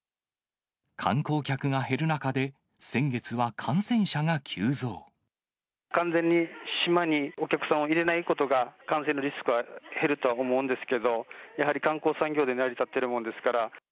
観光客が減る中で、先月は感完全に島にお客さんを入れないことが、感染のリスクは減るとは思うんですけど、やはり観光産業で成り立ってるもんですから。